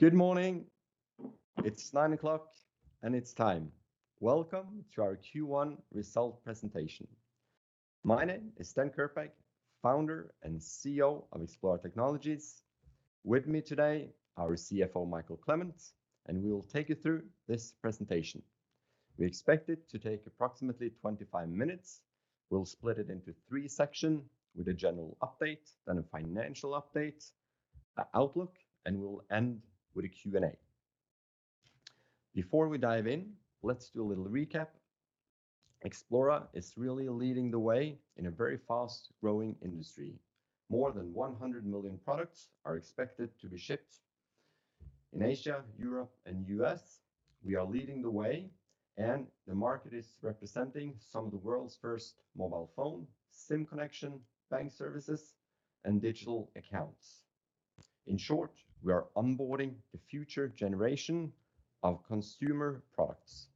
Good morning. It's nine o'clock, and it's time. Welcome to our Q1 result presentation. My name is Sten Kirkbak, founder and CEO of Xplora Technologies. With me today, our CFO, Mikael Clement, and we will take you through this presentation. We expect it to take approximately 25 minutes. We'll split it into three sections with a general update, then a financial update, an outlook, and we'll end with a Q&A. Before we dive in, let's do a little recap. Xplora is really leading the way in a very fast-growing industry. More than 100 million products are expected to be shipped in Asia, Europe, and U.S. We are leading the way, and the market is representing some of the world's first mobile phone, SIM connection, bank services, and digital accounts. In short, we are onboarding the future generation of consumer products.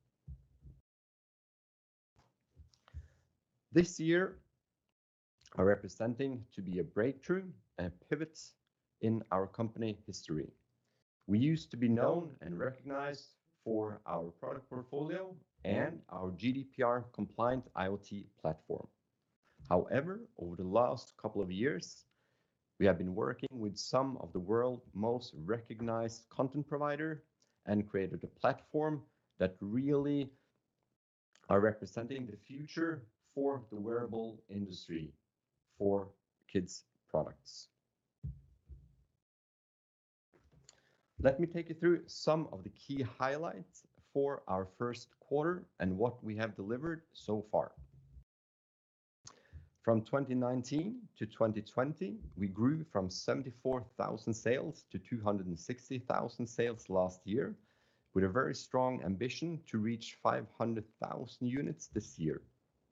This year are representing to be a breakthrough and pivot in our company history. We used to be known and recognized for our product portfolio and our GDPR compliant IoT platform. However, over the last couple of years, we have been working with some of the world's most recognized content provider and created a platform that really are representing the future for the wearable industry for kids products. Let me take you through some of the key highlights for our first quarter and what we have delivered so far. From 2019-2020, we grew from 74,000 sales to 260,000 sales last year, with a very strong ambition to reach 500,000 units this year.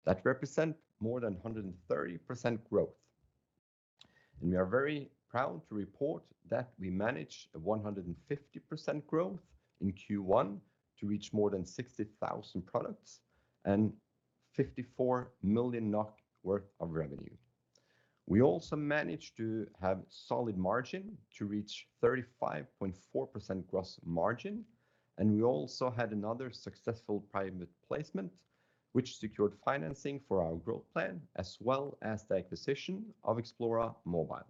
That represent more than 130% growth. We are very proud to report that we managed a 150% growth in Q1 to reach more than 60,000 products and 54 million NOK worth of revenue. We also managed to have solid margin to reach 35.4% gross margin. We also had another successful private placement, which secured financing for our growth plan as well as the acquisition of Xplora Mobile.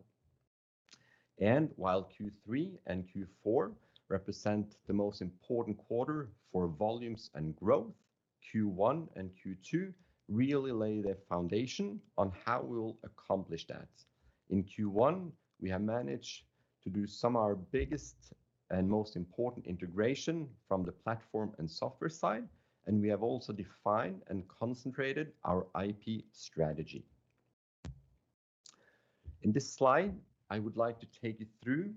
While Q3 and Q4 represent the most important quarter for volumes and growth, Q1 and Q2 really lay the foundation on how we'll accomplish that. In Q1, we have managed to do some of our biggest and most important integration from the platform and software side, and we have also defined and concentrated our IP strategy. In this slide, I would like to take you through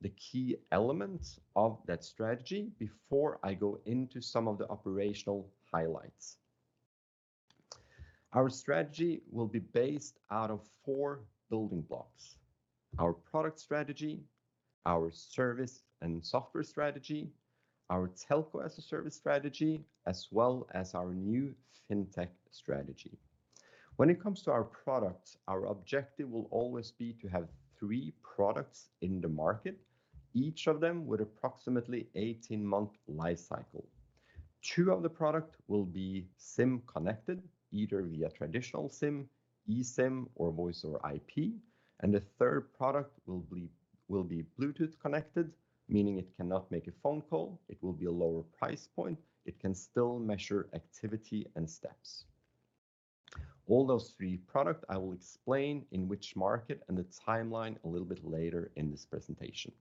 the key elements of that strategy before I go into some of the operational highlights. Our strategy will be based out of four building blocks: our product strategy, our service and software strategy, our telco as a service strategy, as well as our new fintech strategy. When it comes to our products, our objective will always be to have three products in the market, each of them with approximately 18-month life cycle. Two of the product will be SIM connected, either via traditional SIM, eSIM, or Voice over IP, and the third product will be Bluetooth connected, meaning it cannot make a phone call. It will be a lower price point. It can still measure activity and steps. All those three product I will explain in which market and the timeline a little bit later in this presentation.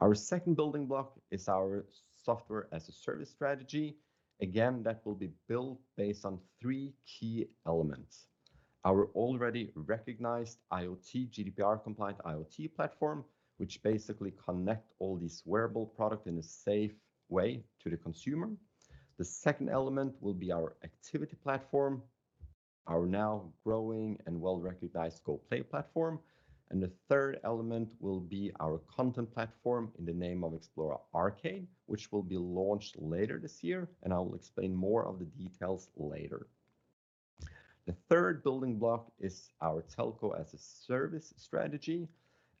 Our second building block is our software as a service strategy. Again, that will be built based on three key elements. Our already recognized IoT GDPR compliant IoT platform, which basically connect all these wearable product in a safe way to the consumer. The second element will be our activity platform, our now growing and well-recognized Goplay platform. The third element will be our content platform in the name of Xplora Arcade, which will be launched later this year, and I will explain more of the details later. The third building block is our telco as a service strategy,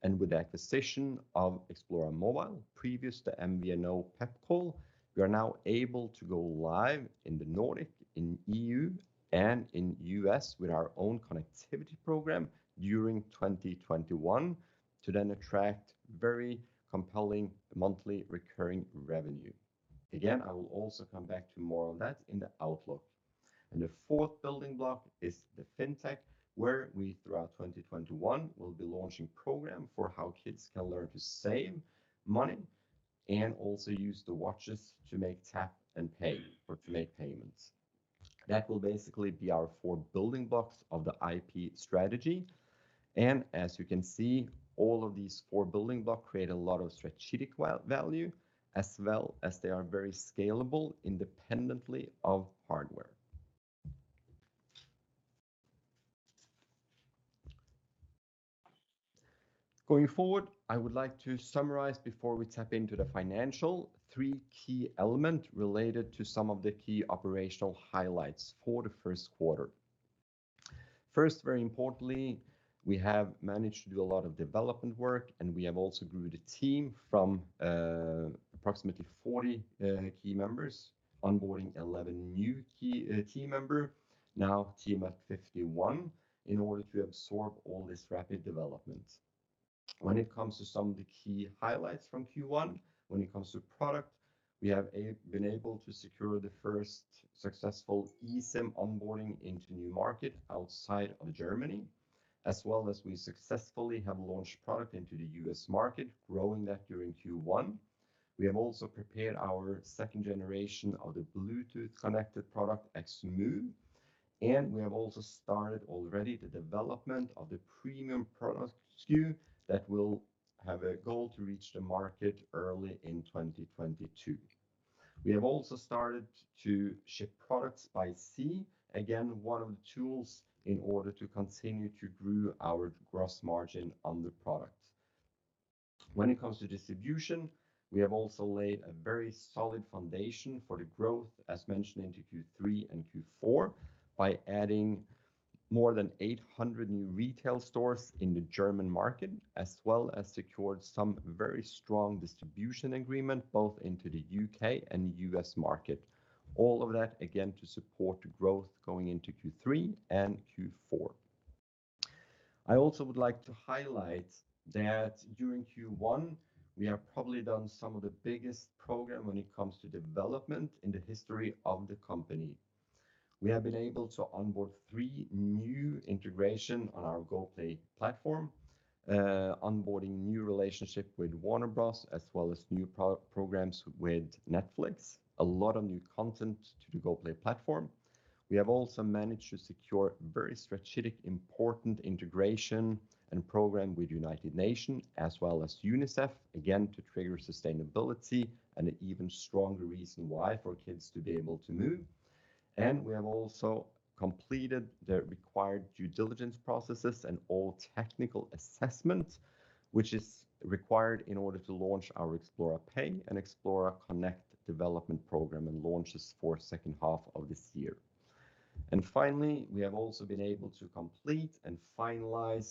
and with the acquisition of Xplora Mobile, previous to MVNO Pepcall, we are now able to go live in the Nordic, in EU, and in U.S. with our own connectivity program during 2021 to then attract very compelling monthly recurring revenue. I will also come back to more on that in the outlook. The fourth building block is the fintech, where we, throughout 2021, will be launching program for how kids can learn to save money and also use the watches to make tap and pay or to make payments. That will basically be our four building blocks of the IP strategy. As you can see, all of these four building block create a lot of strategic value, as well as they are very scalable independently of hardware. Going forward, I would like to summarize before we tap into the financial three key element related to some of the key operational highlights for the first quarter. First, very importantly, we have managed to do a lot of development work, and we have also grew the team from approximately 40 key members, onboarding 11 new key member. Now a team of 51 in order to absorb all this rapid development. When it comes to some of the key highlights from Q1, when it comes to product, we have been able to secure the first successful eSIM onboarding into new market outside of Germany, as well as we successfully have launched product into the U.S. market, growing that during Q1. We have also prepared our second generation of the Bluetooth connected product, XMOVE, and we have also started already the development of the premium product Q that will have a goal to reach the market early in 2022. We have also started to ship products by sea. Again, one of the tools in order to continue to grow our gross margin on the product. When it comes to distribution, we have also laid a very solid foundation for the growth, as mentioned into Q3 and Q4, by adding more than 800 new retail stores in the German market, as well as secured some very strong distribution agreement both into the U.K. and U.S. market. All of that, again, to support the growth going into Q3 and Q4. I also would like to highlight that during Q1, we have probably done some of the biggest program when it comes to development in the history of the company. We have been able to onboard three new integration on our Goplay platform, onboarding new relationship with Warner Bros., as well as new programs with Netflix. A lot of new content to the Goplay platform. We have also managed to secure very strategic important integration and program with United Nations as well as UNICEF, again, to trigger sustainability and an even stronger reason why for kids to be able to move. We have also completed the required due diligence processes and all technical assessments which is required in order to launch our Xplora Pay and Xplora Connect development program and launches for second half of this year. Finally, we have also been able to complete and finalize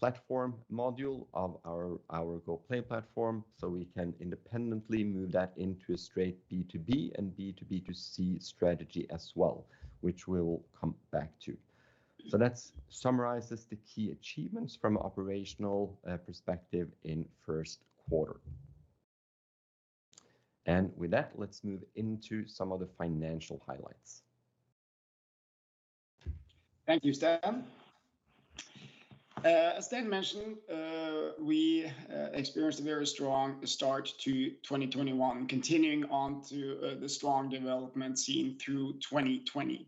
platform module of our Goplay platform, so we can independently move that into a straight B2B and B2B2C strategy as well, which we will come back to. That summarizes the key achievements from operational perspective in first quarter. With that, let's move into some of the financial highlights. Thank you, Sten. As Sten mentioned, we experienced a very strong start to 2021, continuing on to the strong development seen through 2020.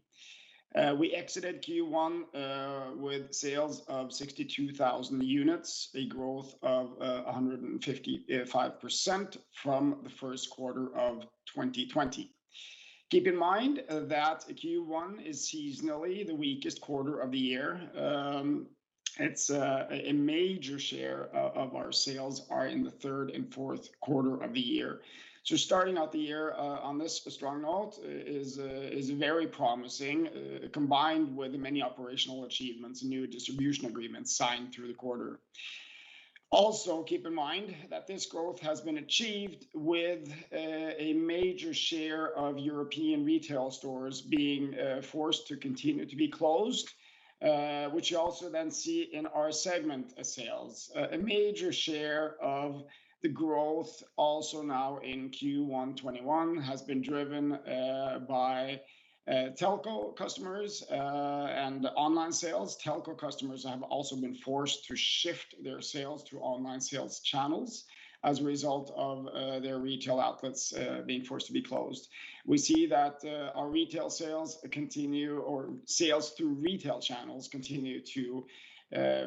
We exited Q1 with sales of 62,000 units, a growth of 155% from the first quarter of 2020. Keep in mind that Q1 is seasonally the weakest quarter of the year. A major share of our sales are in the third and fourth quarter of the year. Starting out the year on this strong note is very promising, combined with many operational achievements, new distribution agreements signed through the quarter. Also, keep in mind that this growth has been achieved with a major share of European retail stores being forced to continue to be closed, which you also then see in our segment sales. A major share of the growth also now in Q1 2021 has been driven by telco customers and online sales. Telco customers have also been forced to shift their sales to online sales channels as a result of their retail outlets being forced to be closed. We see that our retail sales continue, or sales through retail channels continue to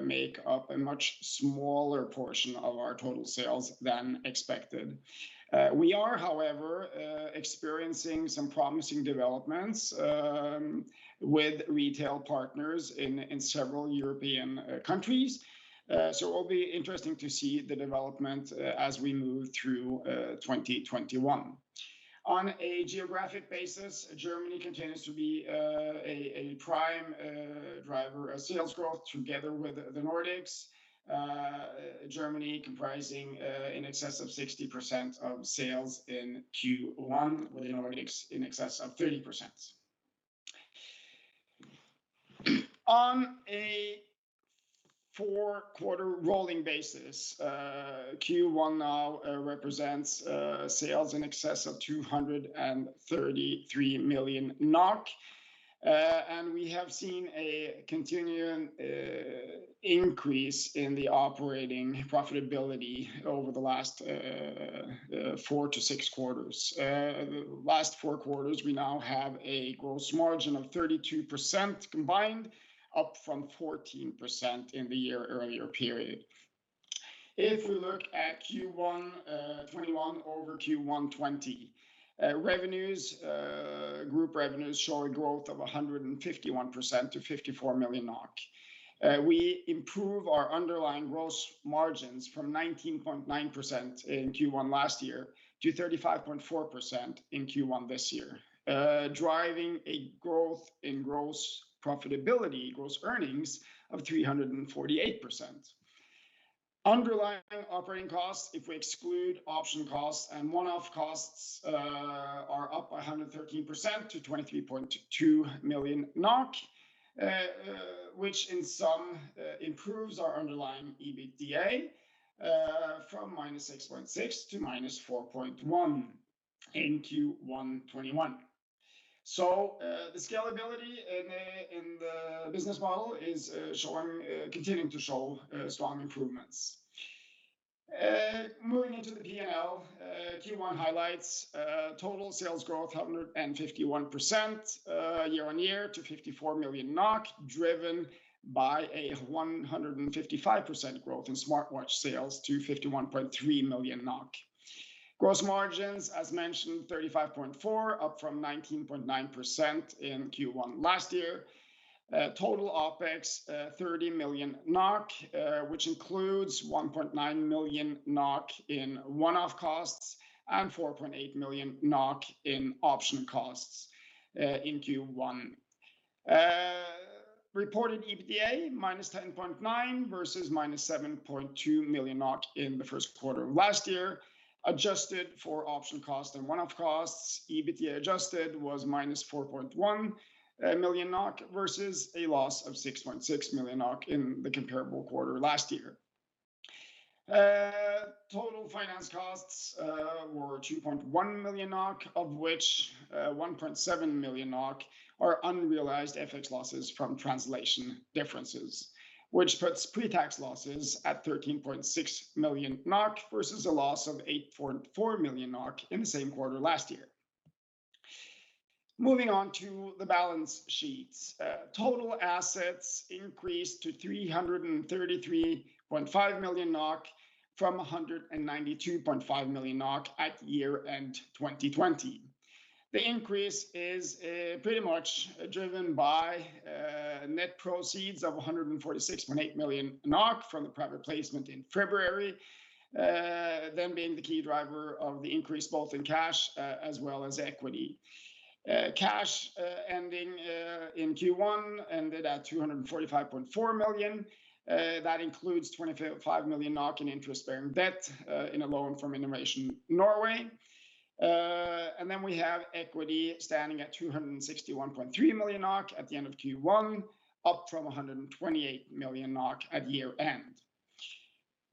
make up a much smaller portion of our total sales than expected. We are, however, experiencing some promising developments with retail partners in several European countries. It will be interesting to see the development as we move through 2021. On a geographic basis, Germany continues to be a prime driver of sales growth together with the Nordics. Germany comprising in excess of 60% of sales in Q1, with the Nordics in excess of 30%. On a four-quarter rolling basis, Q1 now represents sales in excess of 233 million NOK, and we have seen a continuing increase in the operating profitability over the last four to six quarters. Last four quarters, we now have a gross margin of 32% combined, up from 14% in the year-earlier period. If we look at Q1 2021 over Q1 2020, group revenues show a growth of 151% to 54 million NOK. We improved our underlying gross margins from 19.9% in Q1 last year to 35.4% in Q1 this year, driving a growth in gross profitability, gross earnings of 348%. Underlying operating costs, if we exclude option costs and one-off costs, are up 113% to 23.2 million NOK, which in sum improves our underlying EBITDA from -6.6 to -4.1 in Q1 '21. The scalability in the business model is continuing to show strong improvements. Moving into the P&L. Q1 highlights, total sales growth 151% year-on-year to NOK 54 million, driven by a 155% growth in smartwatch sales to 51.3 million NOK. Gross margins, as mentioned, 35.4% up from 19.9% in Q1 last year. Total OpEx 30 million NOK, which includes 1.9 million NOK in one-off costs and 4.8 million NOK in option costs in Q1. Reported EBITDA -10.9 million versus -7.2 million NOK in the first quarter of last year. Adjusted for option cost and one-off costs, EBITDA adjusted was -4.1 million NOK versus a loss of 6.6 million NOK in the comparable quarter last year. Total finance costs were 2.1 million NOK, of which 1.7 million NOK are unrealized FX losses from translation differences, which puts pre-tax losses at 13.6 million NOK versus a loss of 8.4 million NOK in the same quarter last year. Moving on to the balance sheets. Total assets increased to 333.5 million NOK from 192.5 million NOK at year-end 2020. The increase is pretty much driven by net proceeds of 146.8 million NOK from the private placement in February, them being the key driver of the increase both in cash as well as equity. Cash ending in Q1 ended at 245.4 million. That includes 25.5 million NOK in interest-bearing debt in a loan from Innovation Norway. We have equity standing at 261.3 million NOK at the end of Q1, up from 128 million NOK at year end.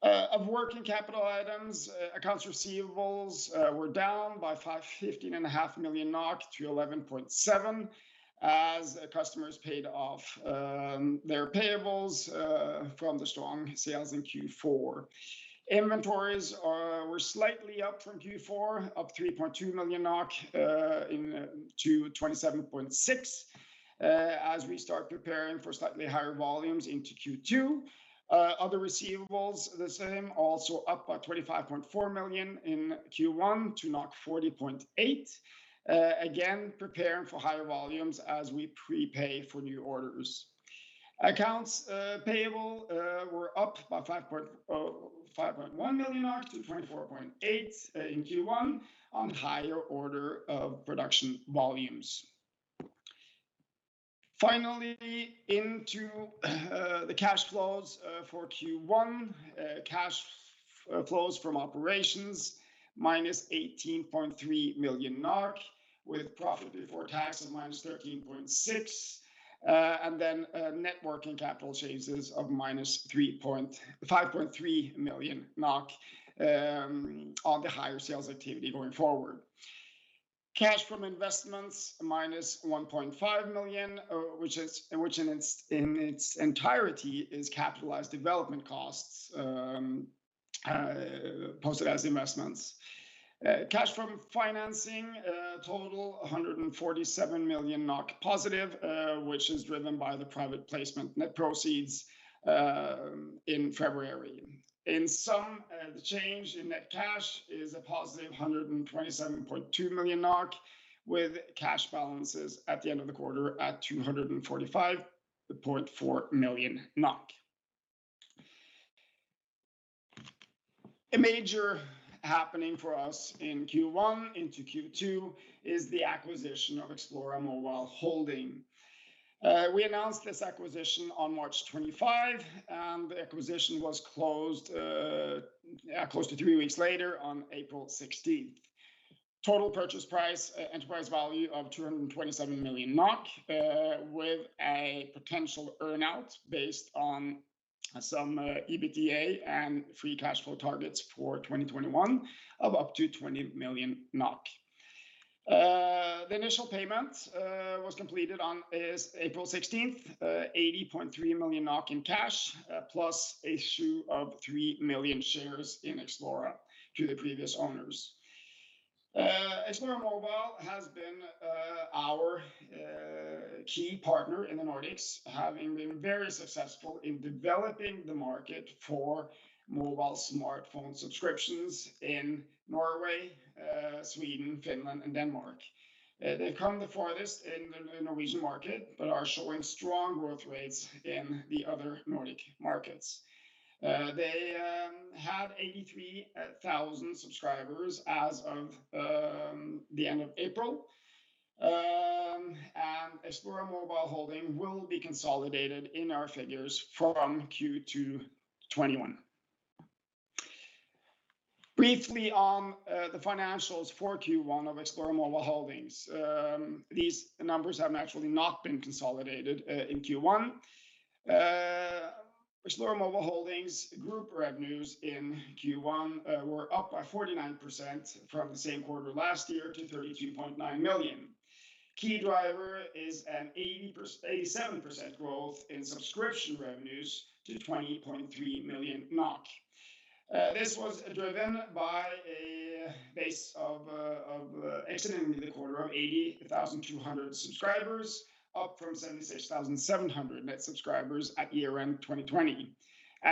Of working capital items, accounts receivables were down by 15.5 million-11.7 million NOK as customers paid off their payables from the strong sales in Q4. Inventories were slightly up from Q4, up 3.2 million-27.6 million NOK as we start preparing for slightly higher volumes into Q2. Other receivables the same, also up by 25.4 million in Q1 to 40.8, again, preparing for higher volumes as we prepay for new orders. Accounts payable were up by 5.1 million-24.8 million in Q1 on higher order of production volumes. Into the cash flows for Q1. Cash flows from operations, -18.3 million with profit before tax of -13.6 million, net working capital changes of -5.3 million NOK on the higher sales activity going forward. Cash from investments, -1.5 million, which in its entirety is capitalized development costs posted as investments. Cash from financing total 147 million NOK positive, which is driven by the private placement net proceeds in February. The change in net cash is a +127.2 million NOK with cash balances at the end of the quarter at 245.4 million NOK. A major happening for us in Q1 into Q2 is the acquisition of Xplora Mobile Holding. We announced this acquisition on March 25, and the acquisition was closed three weeks later on April 16th. Total purchase price enterprise value of 227 million NOK, with a potential earn-out based on some EBITDA and free cash flow targets for 2021 of up to 20 million NOK. The initial payment was completed on April 16th, 80.3 million NOK in cash, plus issue of 3 million shares in Xplora to the previous owners. Xplora Mobile has been our key partner in the Nordics, having been very successful in developing the market for mobile smartphone subscriptions in Norway, Sweden, Finland, and Denmark. They've come the farthest in the Norwegian market, but are showing strong growth rates in the other Nordic markets. They had 83,000 subscribers as of the end of April. Xplora Mobile Holding will be consolidated in our figures from Q2 2021. Briefly on the financials for Q1 of Xplora Mobile Holding. These numbers have actually not been consolidated in Q1. Xplora Mobile Holding group revenues in Q1 were up by 49% from the same quarter last year to 32.9 million. Key driver is an 87% growth in subscription revenues to 20.3 million NOK. This was driven by a base of, incidentally the quarter, of 80,200 subscribers, up from 76,700 net subscribers at year-end 2020.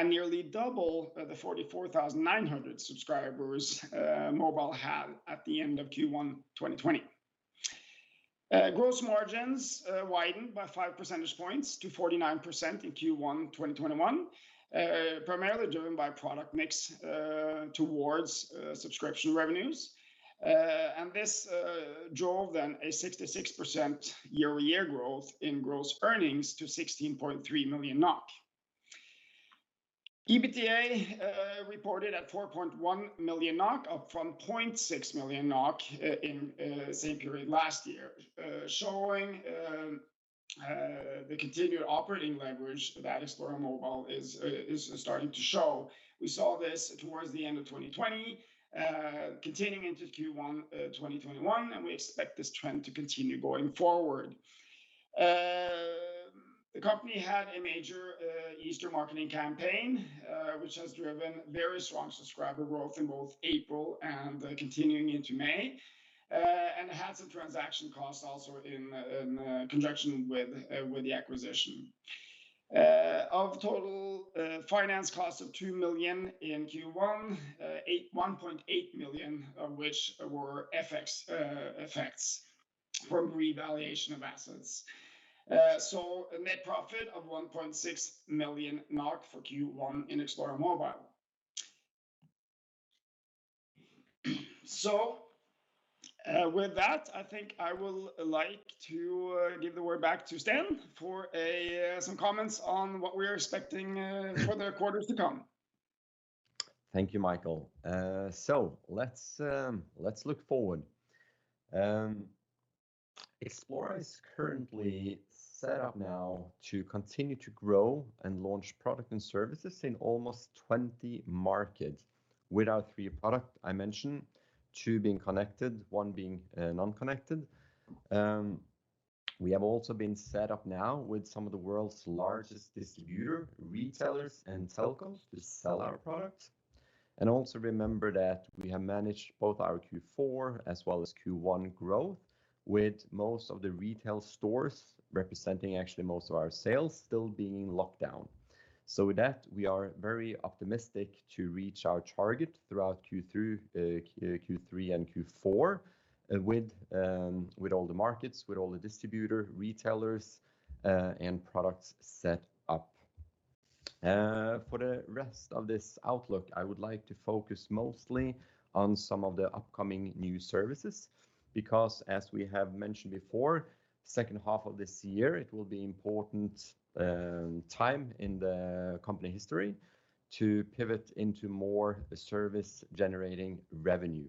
Nearly double the 44,900 subscribers Mobile had at the end of Q1 2020. Gross margins widened by 5 percentage points to 49% in Q1 2021, primarily driven by product mix towards subscription revenues. This drove a 66% year-over-year growth in gross earnings to 16.3 million NOK. EBITDA reported at 4.1 million NOK, up from 0.6 million NOK in same period last year, showing the continued operating leverage that Xplora Mobile is starting to show. We saw this towards the end of 2020, continuing into Q1 2021, and we expect this trend to continue going forward. The company had a major Easter marketing campaign, which has driven very strong subscriber growth in both April and continuing into May, and had some transaction costs also in conjunction with the acquisition. Of total finance cost of 2 million in Q1, 1.8 million of which were FX effects from revaluation of assets. A net profit of 1.6 million for Q1 in Xplora Mobile. I think I will like to give the word back to Sten for some comments on what we are expecting for the quarters to come. Thank you, Mikael. Let's look forward. Xplora is currently set up now to continue to grow and launch product and services in almost 20 markets with our three product I mentioned, two being connected, one being non-connected. We have also been set up now with some of the world's largest distributor, retailers, and telcos to sell our product. Also remember that we have managed both our Q4 as well as Q1 growth with most of the retail stores, representing actually most of our sales, still being locked down. With that, we are very optimistic to reach our target throughout Q3 and Q4, with all the markets, with all the distributor, retailers, and products set up. For the rest of this outlook, I would like to focus mostly on some of the upcoming new services. As we have mentioned before, second half of this year, it will be important time in the company history to pivot into more service generating revenue.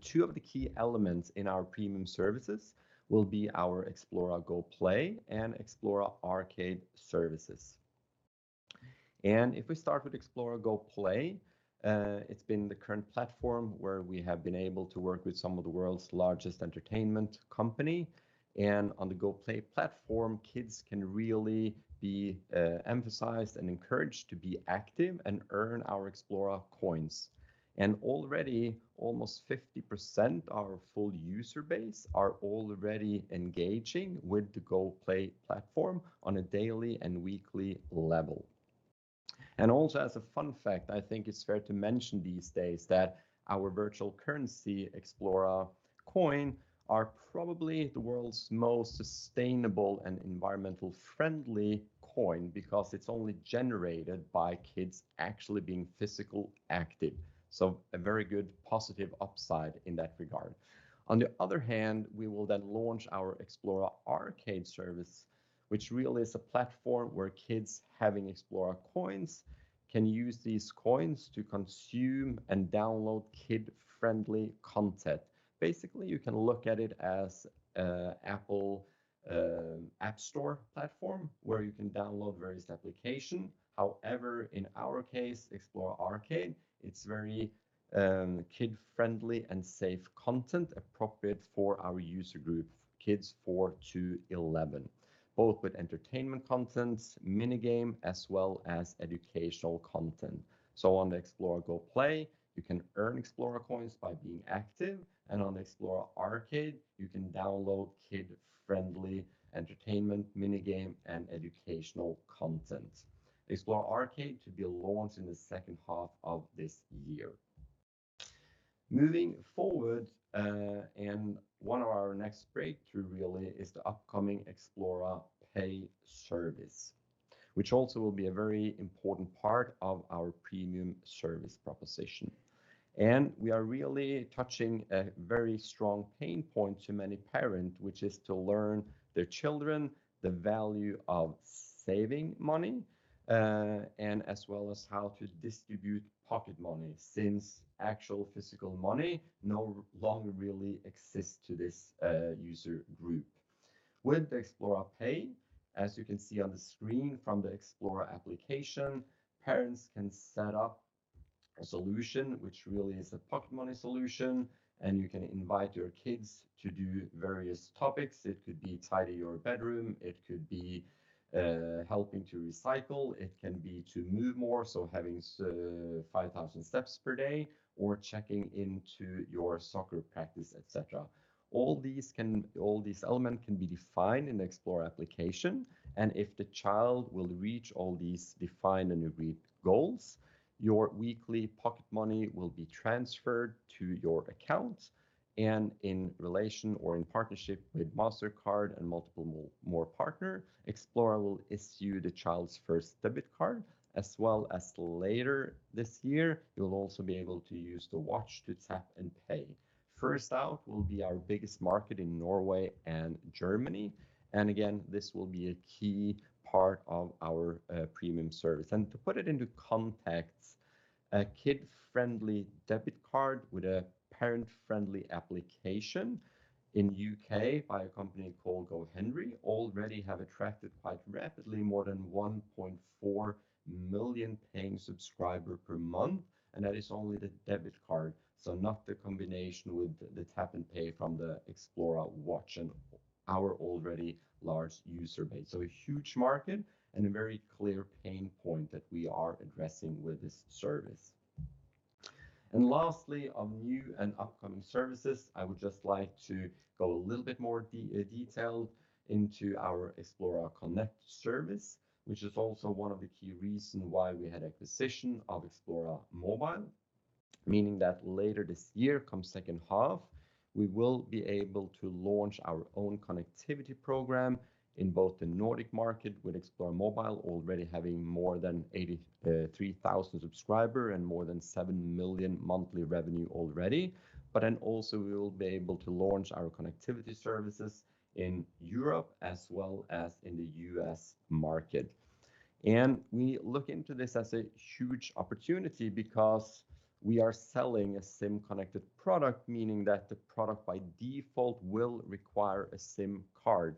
Two of the key elements in our premium services will be our Xplora Goplay and Xplora Arcade services. If we start with Xplora Goplay, it's been the current platform where we have been able to work with some of the world's largest entertainment company. On the Goplay platform, kids can really be incentivized and encouraged to be active and earn our Xplora Coins. Already, almost 50% our full user base are already engaging with the Goplay platform on a daily and weekly level. Also as a fun fact, I think it's fair to mention these days that our virtual currency, Xplora Coin, are probably the world's most sustainable and environmentally friendly coin because it's only generated by kids actually being physically active. A very good positive upside in that regard. On the other hand, we will then launch our Xplora Arcade service, which really is a platform where kids having Xplora Coins can use these Coins to consume and download kid-friendly content. Basically, you can look at it as an Apple App Store platform where you can download various application. However, in our case, Xplora Arcade, it's very kid-friendly and safe content appropriate for our user group, kids 4 to 11, both with entertainment content, mini-game, as well as educational content. On the Xplora Goplay, you can earn Xplora Coins by being active, and on the Xplora Arcade, you can download kid-friendly entertainment, mini-game, and educational content. Xplora Arcade to be launched in the second half of this year. Moving forward, one of our next breakthrough really is the upcoming Xplora Pay service, which also will be a very important part of our premium service proposition. We are really touching a very strong pain point to many parent, which is to learn their children the value of saving money, and as well as how to distribute pocket money, since actual physical money no longer really exists to this user group. With Xplora Pay, as you can see on the screen from the Xplora application, parents can set up a solution, which really is a pocket money solution. You can invite your kids to do various topics. It could be tidy your bedroom, it could be helping to recycle, it can be to move more, so having 5,000 steps per day or checking into your soccer practice, etc. All these elements can be defined in the Xplora application. If the child will reach all these defined and agreed goals, your weekly pocket money will be transferred to your account. In relation or in partnership with Mastercard and multiple more partner, Xplora will issue the child's first debit card, as well as later this year, you'll also be able to use the watch to tap and pay. First out will be our biggest market in Norway and Germany. Again, this will be a key part of our premium service. To put it into context, a kid-friendly debit card with a parent-friendly application in U.K. by a company called GoHenry, already have attracted quite rapidly more than 1.4 million paying subscriber per month. That is only the debit card, so not the combination with the tap and pay from the Xplora watch and our already large user base. A huge market and a very clear pain point that we are addressing with this service. Lastly, on new and upcoming services, I would just like to go a little bit more detailed into our Xplora Connect service, which is also one of the key reason why we had acquisition of Xplora Mobile, meaning that later this year, come second half, we will be able to launch our own connectivity program in both the Nordic market with Xplora Mobile already having more than 83,000 subscriber and more than 7 million monthly revenue already. Also we will be able to launch our connectivity services in Europe as well as in the U.S. market. We look into this as a huge opportunity because we are selling a SIM-connected product, meaning that the product by default will require a SIM card.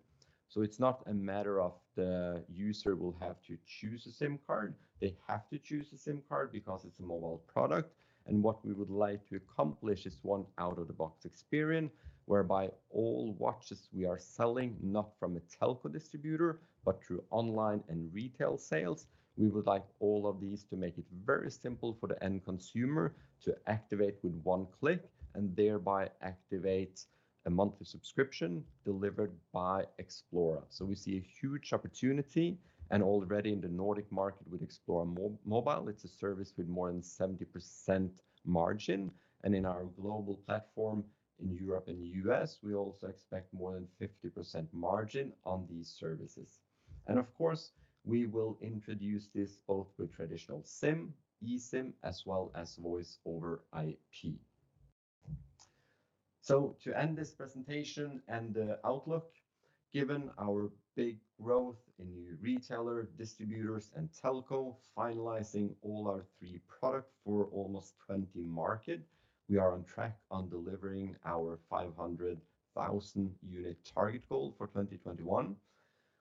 It's not a matter of the user will have to choose a SIM card. They have to choose a SIM card because it's a mobile product. What we would like to accomplish is one out-of-the-box experience, whereby all watches we are selling, not from a telco distributor, but through online and retail sales. We would like all of these to make it very simple for the end consumer to activate with one click, and thereby activate a monthly subscription delivered by Xplora. We see a huge opportunity, and already in the Nordic market with Xplora Mobile, it's a service with more than 70% margin. In our global platform in Europe and U.S., we also expect more than 50% margin on these services. Of course, we will introduce this both with traditional SIM, eSIM, as well as Voice over IP. To end this presentation and the outlook, given our big growth in new retailer, distributors, and telco, finalizing all our three product for almost 20 market. We are on track on delivering our 500,000 unit target goal for 2021.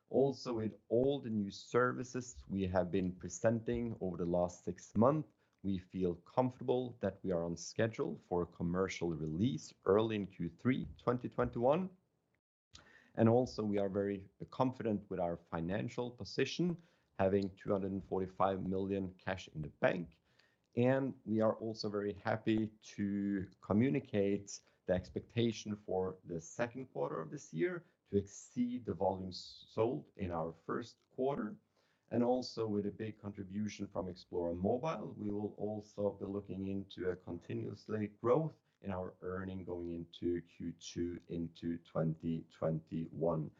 With all the new services we have been presenting over the last six month, we feel comfortable that we are on schedule for a commercial release early in Q3 2021. We are very confident with our financial position, having 245 million cash in the bank. We are also very happy to communicate the expectation for the second quarter of this year to exceed the volumes sold in our first quarter. With a big contribution from Xplora Mobile, we will also be looking into a continuous steady growth in our earning going into Q2 into 2021.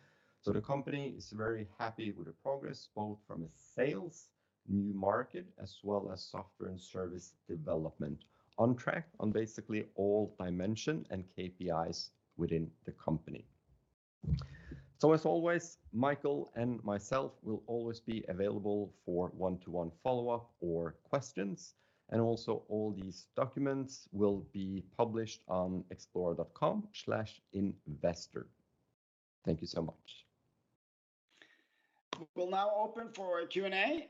The company is very happy with the progress, both from a sales, new market, as well as software and service development. On track on basically all dimension and KPIs within the company. As always, Mikael and myself will always be available for one-to-one follow-up or questions, and also all these documents will be published on xplora.com/investor. Thank you so much. We'll now open for a Q&A.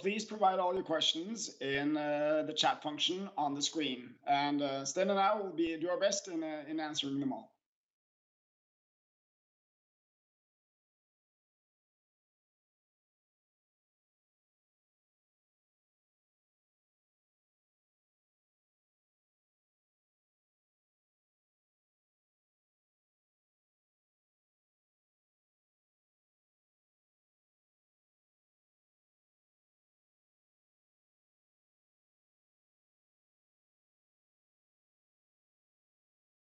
Please provide all your questions in the chat function on the screen, and Sten and I will do our best in answering them all.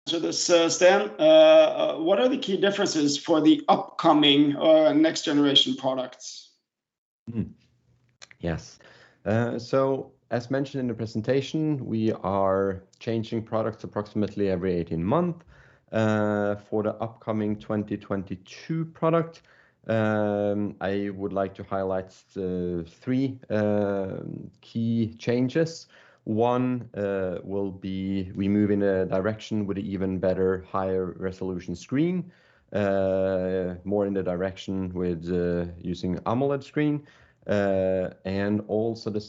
Sten, what are the key differences for the upcoming next generation products? As mentioned in the presentation, we are changing products approximately every 18 months. For the upcoming 2022 product, I would like to highlight three key changes. One will be we move in a direction with an even better higher resolution screen, more in the direction with using AMOLED screen. The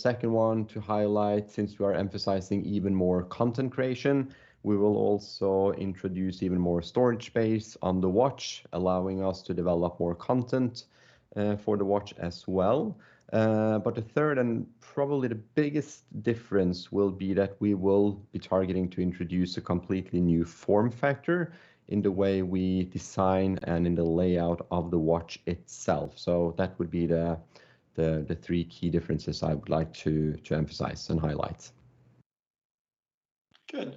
second one to highlight, since we are emphasizing even more content creation, we will also introduce even more storage space on the watch, allowing us to develop more content for the watch as well. But the third and probably the biggest difference will be that we will be targeting to introduce a completely new form factor in the way we design and in the layout of the watch itself. That would be the three key differences I would like to emphasize and highlight. Good.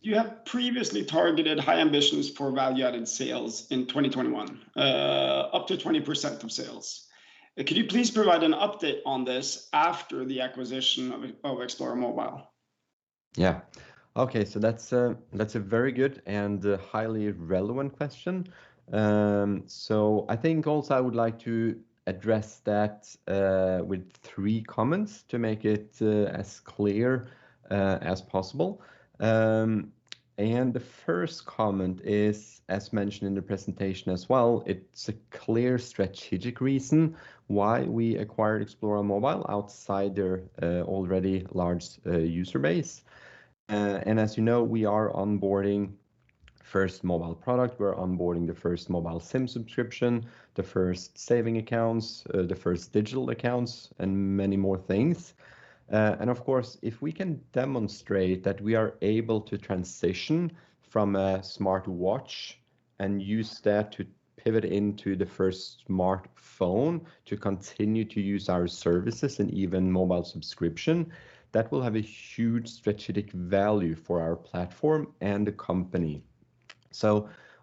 You have previously targeted high ambitions for value-added sales in 2021, up to 20% of sales. Could you please provide an update on this after the acquisition of Xplora Mobile? Yeah. Okay, that's a very good and highly relevant question. I think also I would like to address that with three comments to make it as clear as possible. The first comment is, as mentioned in the presentation as well, it's a clear strategic reason why we acquired Xplora Mobile outside their already large user base. As you know, we are onboarding first mobile product, we're onboarding the first mobile SIM subscription, the first saving accounts, the first digital accounts, and many more things. Of course, if we can demonstrate that we are able to transition from a smartwatch and use that to pivot into the first smartphone to continue to use our services and even mobile subscription, that will have a huge strategic value for our platform and the company.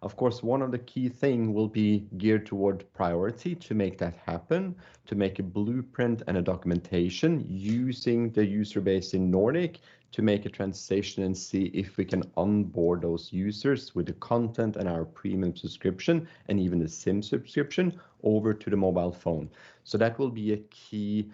Of course, one of the key thing will be geared toward priority to make that happen, to make a blueprint and a documentation using the user base in Nordic to make a transition and see if we can onboard those users with the content and our premium subscription, and even the SIM subscription over to the mobile phone. That will be a key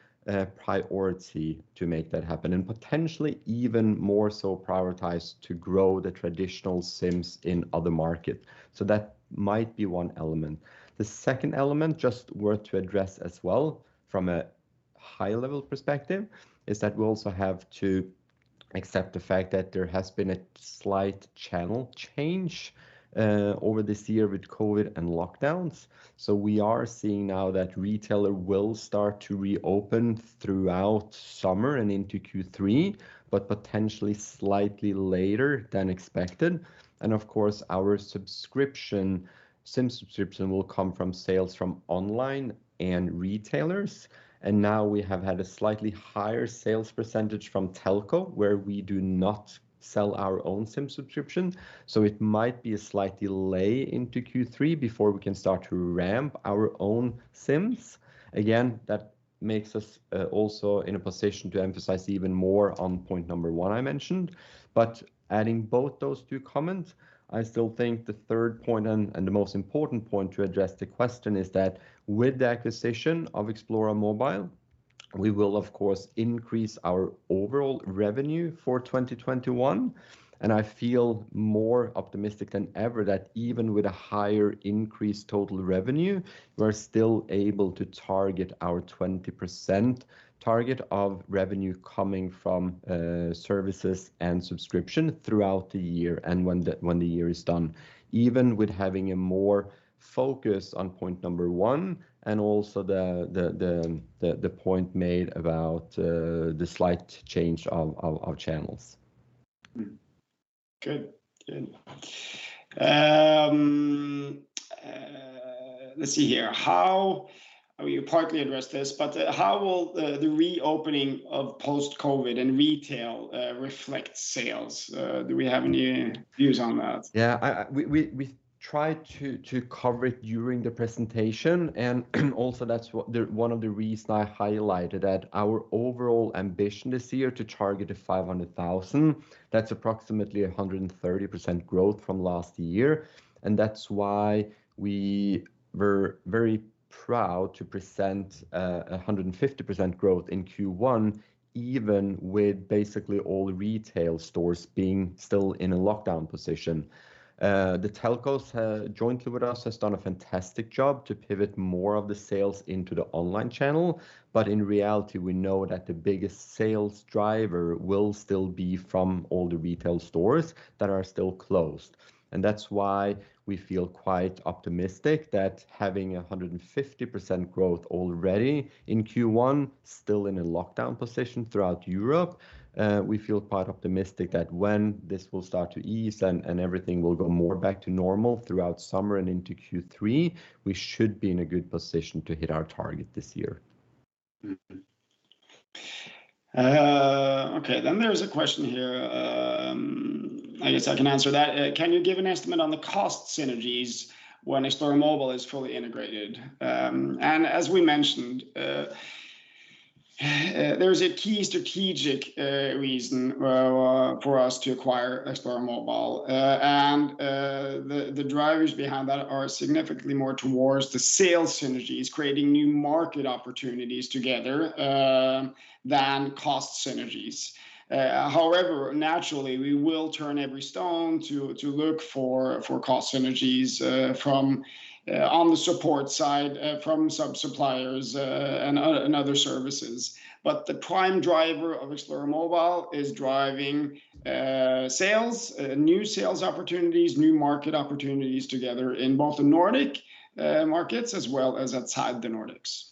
priority to make that happen. Potentially even more so prioritize to grow the traditional SIMs in other market. That might be one element. The second element, just worth to address as well from a high level perspective, is that we also have to accept the fact that there has been a slight channel change over this year with COVID and lockdowns. We are seeing now that retailer will start to reopen throughout summer and into Q3, but potentially slightly later than expected. Of course, our SIM subscription will come from sales from online and retailers. Now we have had a slightly higher sales percentage from telco, where we do not sell our own SIM subscription. It might be a slight delay into Q3 before we can start to ramp our own SIMs. Again, that makes us also in a position to emphasize even more on point number one I mentioned. Adding both those two comments, I still think the third point and the most important point to address the question is that with the acquisition of Xplora Mobile, we will of course increase our overall revenue for 2021. I feel more optimistic than ever that even with a higher increased total revenue, we're still able to target our 20% target of revenue coming from services and subscription throughout the year and when the year is done, even with having a more focus on point number one and also the point made about the slight change of our channels. Good. Let's see here. You partly addressed this. How will the reopening of post-COVID and retail reflect sales? Do we have any views on that? Yeah. We tried to cover it during the presentation. Also, that's one of the reasons I highlighted that our overall ambition this year to target a 500,000. That's approximately 130% growth from last year. That's why we were very proud to present 150% growth in Q1, even with basically all retail stores being still in a lockdown position. The telcos jointly with us have done a fantastic job to pivot more of the sales into the online channel. In reality, we know that the biggest sales driver will still be from all the retail stores that are still closed. That's why we feel quite optimistic that having 150% growth already in Q1, still in a lockdown position throughout Europe, we feel quite optimistic that when this will start to ease and everything will go more back to normal throughout summer and into Q3, we should be in a good position to hit our target this year. Okay. There's a question here. I guess I can answer that. Can you give an estimate on the cost synergies when Xplora Mobile is fully integrated? As we mentioned, there's a key strategic reason for us to acquire Xplora Mobile. The drivers behind that are significantly more towards the sales synergies, creating new market opportunities together, than cost synergies. However, naturally, we will turn every stone to look for cost synergies on the support side, from some suppliers and other services. The prime driver of Xplora Mobile is driving sales, new sales opportunities, new market opportunities together in both the Nordic markets as well as outside the Nordics.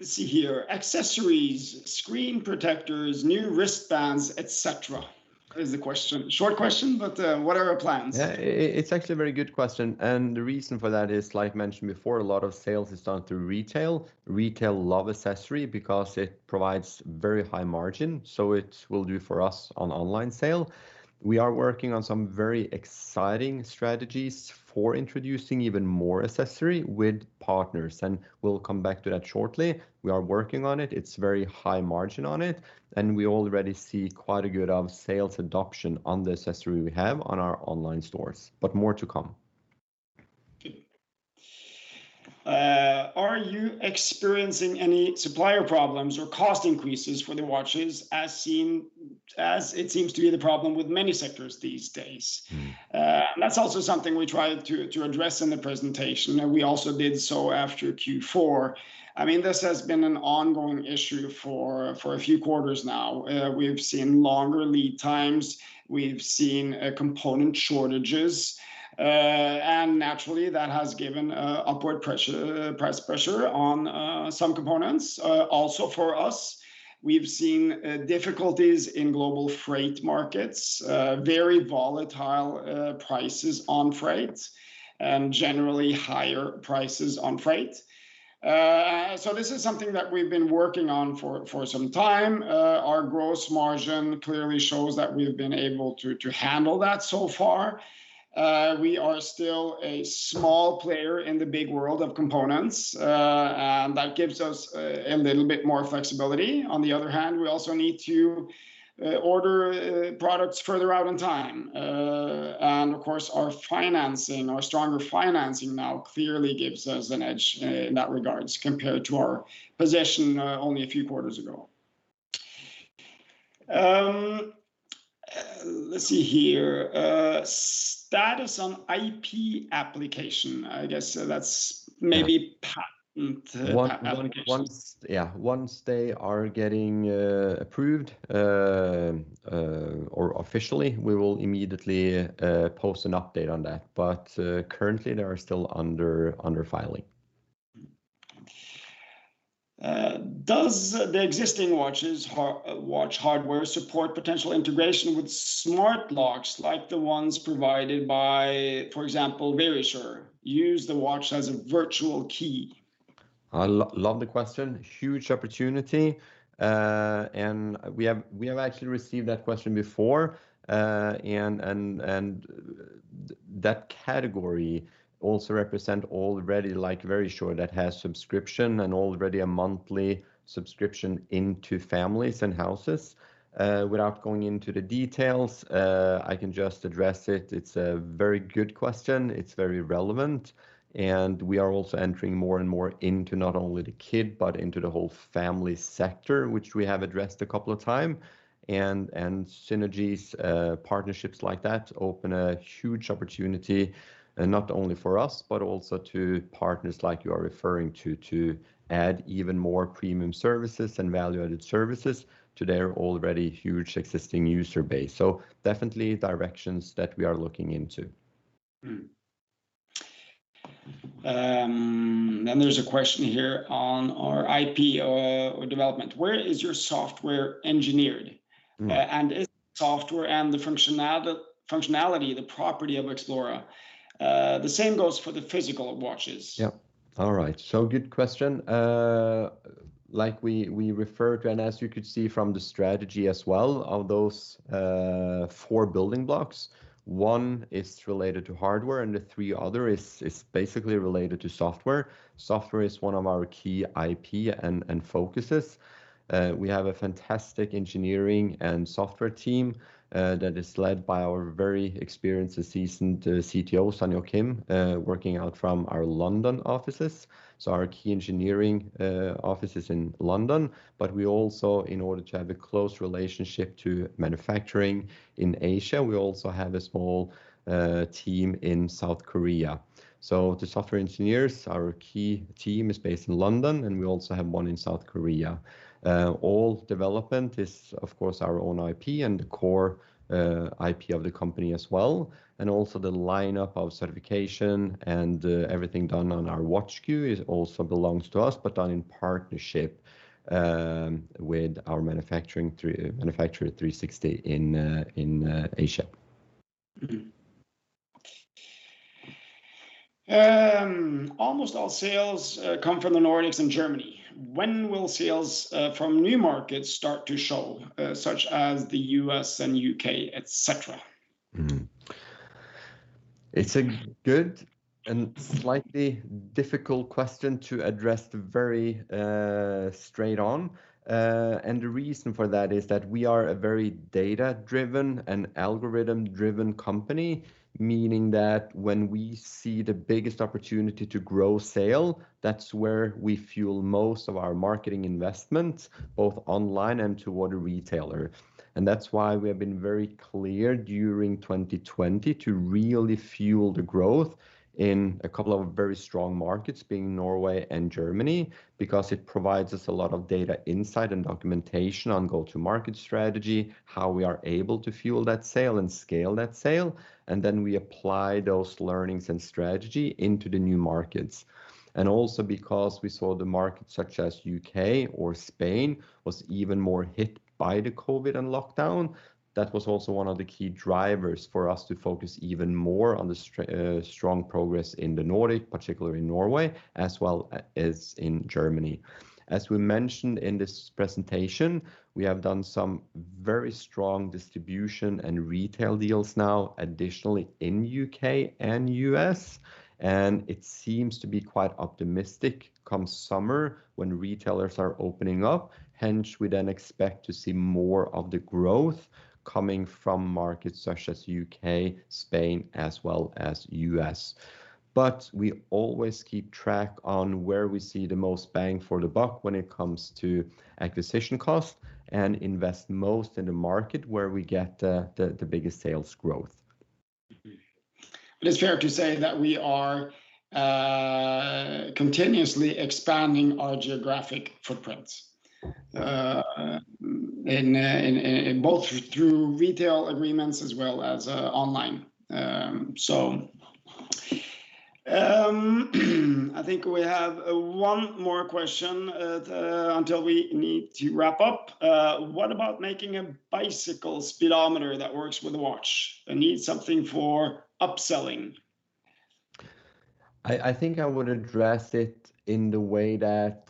Let's see here. Accessories, screen protectors, new wristbands, etc. That is the question. Short question, but what are our plans? It's actually a very good question, and the reason for that is, like mentioned before, a lot of sales is done through retail. Retail love accessory because it provides very high margin, so it will do for us on online sale. We are working on some very exciting strategies for introducing even more accessory with partners, and we'll come back to that shortly. We are working on it. It's very high margin on it, and we already see quite a good sales adoption on the accessory we have on our online stores. More to come. Are you experiencing any supplier problems or cost increases for the watches, as it seems to be the problem with many sectors these days? That's also something we tried to address in the presentation. We also did so after Q4. This has been an ongoing issue for a few quarters now. We have seen longer lead times. We have seen component shortages. Naturally, that has given upward price pressure on some components. Also for us, we have seen difficulties in global freight markets, very volatile prices on freight, and generally higher prices on freight. This is something that we've been working on for some time. Our gross margin clearly shows that we've been able to handle that so far. We are still a small player in the big world of components, and that gives us a little bit more flexibility. On the other hand, we also need to order products further out in time. Of course, our stronger financing now clearly gives us an edge in that regards compared to our position only a few quarters ago. Let's see here. Status on IP application. I guess that's maybe patent applications. Yeah. Once they are getting approved officially, we will immediately post an update on that. Currently, they are still under filing. Does the existing watch hardware support potential integration with smart locks like the ones provided by, for example, Verisure? Use the watch as a virtual key. I love the question. Huge opportunity. We have actually received that question before, and that category also represent already, like Verisure, that has subscription and already a monthly subscription into families and houses. Without going into the details, I can just address it. It's a very good question. It's very relevant, we are also entering more and more into not only the kid, but into the whole family sector, which we have addressed a couple of times. Synergies, partnerships like that open a huge opportunity, not only for us but also to partners like you are referring to add even more premium services and value-added services to their already huge existing user base. Definitely directions that we are looking into. There's a question here on our IP development. Where is your software engineered? Is the software and the functionality, the property of Xplora? The same goes for the physical watches. Yep. All right. Good question. Like we referred to, and as you could see from the strategy as well, of those four building blocks, one is related to hardware and the three others are basically related to software. Software is one of our key IP and focuses. We have a fantastic engineering and software team that is led by our very experienced and seasoned CTO, Sanghyo Kim, working out from our London offices. Our key engineering office is in London, but we also, in order to have a close relationship to manufacturing in Asia, have a small team in South Korea. The software engineers, our key team, is based in London, and we also have one in South Korea. All development is, of course, our own IP and the core IP of the company as well, and also the lineup of certification and everything done on our watch Q also belongs to us, but done in partnership with our manufacturer, Qihoo 360, in Asia. Almost all sales come from the Nordics and Germany. When will sales from new markets start to show, such as the U.S. and U.K., etc? It's a good and slightly difficult question to address very straight on. The reason for that is that we are a very data-driven and algorithm-driven company, meaning that when we see the biggest opportunity to grow sale, that's where we fuel most of our marketing investments, both online and toward a retailer. That's why we have been very clear during 2020 to really fuel the growth in a couple of very strong markets, being Norway and Germany, because it provides us a lot of data insight and documentation on go-to-market strategy, how we are able to fuel that sale and scale that sale. We apply those learnings and strategy into the new markets. Also because we saw the markets such as U.K. or Spain was even more hit by the COVID and lockdown, that was also one of the key drivers for us to focus even more on the strong progress in the Nordic, particularly Norway, as well as in Germany. As we mentioned in this presentation, we have done some very strong distribution and retail deals now, additionally in U.K. and U.S., and it seems to be quite optimistic come summer when retailers are opening up. We then expect to see more of the growth coming from markets such as U.K., Spain, as well as U.S. We always keep track on where we see the most bang for the buck when it comes to acquisition costs and invest most in the market where we get the biggest sales growth. It's fair to say that we are continuously expanding our geographic footprints, both through retail agreements as well as online. I think we have one more question until we need to wrap up. What about making a bicycle speedometer that works with a watch? They need something for upselling. I think I would address it in the way that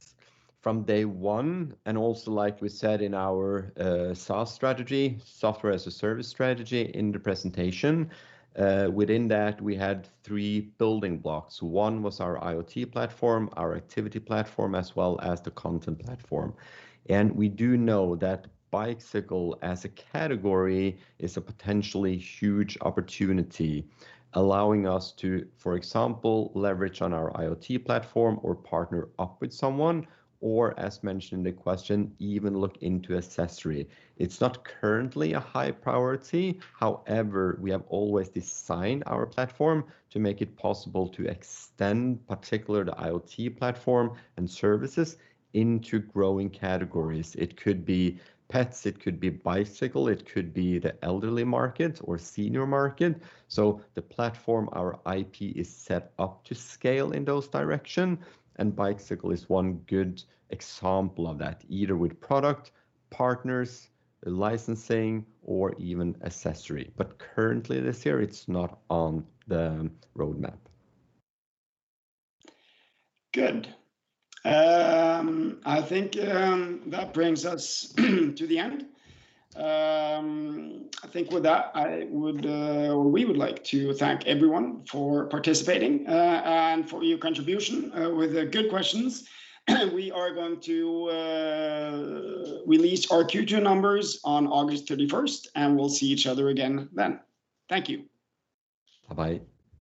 from day one, also like we said in our SaaS strategy, software-as-a-service strategy in the presentation, within that, we had three building blocks. One was our IoT platform, our activity platform, as well as the content platform. We do know that bicycle as a category is a potentially huge opportunity, allowing us to, for example, leverage on our IoT platform or partner up with someone, or, as mentioned in the question, even look into accessory. It's not currently a high priority. However, we have always designed our platform to make it possible to extend, particularly the IoT platform and services, into growing categories. It could be pets, it could be bicycle, it could be the elderly market or senior market. The platform, our IP, is set up to scale in those directions, and bicycle is one good example of that, either with product, partners, licensing, or even accessory. Currently, this year, it's not on the roadmap. Good. I think that brings us to the end. I think with that, we would like to thank everyone for participating and for your contribution with the good questions. We are going to release our Q2 numbers on August 31st, and we will see each other again then. Thank you. Bye-bye.